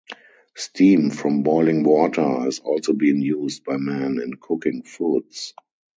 Steam from boiling water has also been used by man in cooking foods.